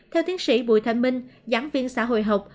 theo tiến sĩ bùi thanh minh giảng viên xã hội học